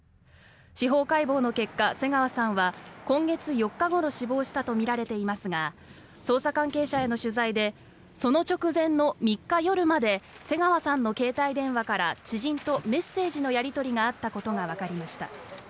司法解剖の結果、瀬川さんは今月４日ごろ死亡したとみられていますが捜査関係者への取材でその直前の３日夜まで瀬川さんの携帯電話から知人とメッセージのやり取りがあったことがわかりました。